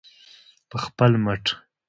په خپل مټ.